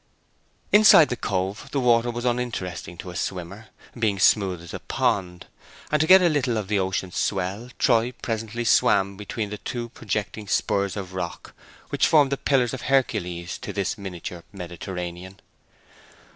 Inside the cove the water was uninteresting to a swimmer, being smooth as a pond, and to get a little of the ocean swell, Troy presently swam between the two projecting spurs of rock which formed the pillars of Hercules to this miniature Mediterranean.